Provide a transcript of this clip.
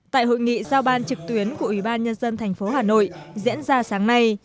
tại hội nghị giao ban trực tuyến của ủy ban nhân dân thành phố hà nội diễn ra sáng nay